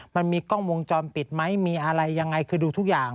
มันมีกล้องวงจรปิดไหมมีอะไรยังไงคือดูทุกอย่าง